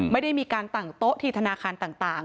ไม่ได้มีการตั้งโต๊ะที่ธนาคารต่าง